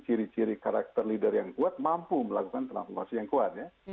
ciri ciri karakter leader yang kuat mampu melakukan transformasi yang kuat ya